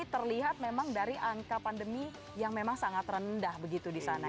terlihat memang dari angka pandemi yang memang sangat rendah begitu di sana